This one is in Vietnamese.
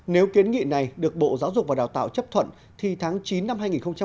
nếu kiến nghị này được bộ giáo dục và đào tạo chấp thuận thì tháng chín năm hai nghìn một mươi chín